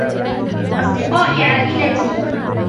أصدقائي عائلتي.